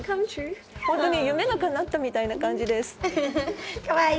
本当に夢がかなったみたいな感じかわいい！